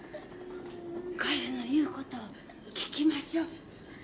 彼の言うことを聞きましょ。